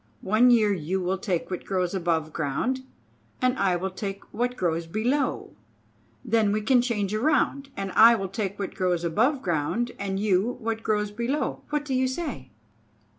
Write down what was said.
One year you will take what grows above ground, and I will take what grows below. Then we can change around, and I will take what grows above ground, and you, what grows below. What do you say?"